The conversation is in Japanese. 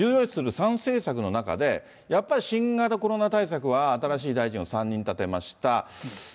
３政策の中で、やっぱり新型コロナウイルス対策は、新しい大臣を３人立てました。